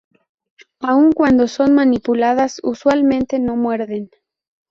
Aun cuando son manipuladas usualmente no muerden.